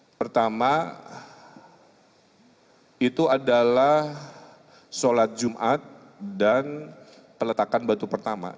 yang pertama itu adalah sholat jumat dan peletakan batu pertama